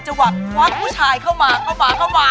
จะหวักวักผู้ชายเข้ามาเข้ามาเข้ามา